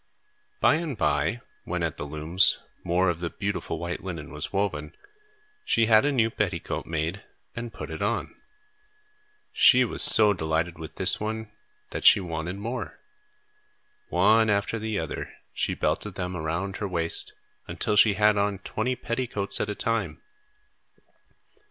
By and by, when, at the looms, more of the beautiful white linen was woven, she had a new petticoat made and put it on. She was so delighted with this one that she wanted more. One after the other, she belted them around her waist, until she had on twenty petticoats at a time.